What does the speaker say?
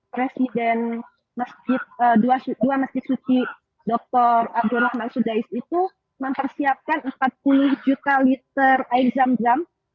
presiden dua masjid suci dr abdul rahman sudais itu mempersiapkan empat puluh juta liter air zam zam